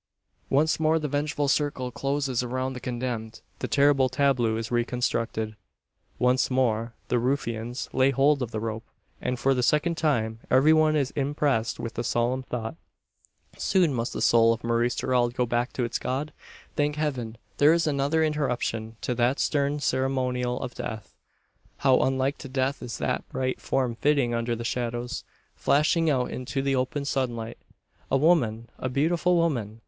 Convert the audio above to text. Once more the vengeful circle closes around the condemned the terrible tableau is reconstructed. Once more the ruffians lay hold of the rope; and for the second time every one is impressed with the solemn thought: "Soon must the soul of Maurice Gerald go back to its God!" Thank heaven, there is another interruption to that stern ceremonial of death. How unlike to death is that bright form flitting under the shadows, flashing out into the open sunlight. "A woman! a beautiful woman!"